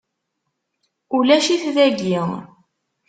Ulac-it dagi;